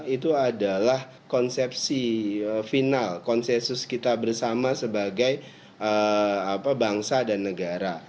itu adalah konsepsi final konsensus kita bersama sebagai bangsa dan negara